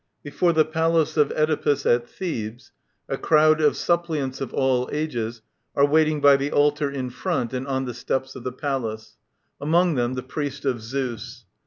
— Before the Palace of Oedipus at Thebes. A crowd of suppliants of all ages are waiting by the altar in front and on the steps of the Palace ; among them the Priest of Zeus.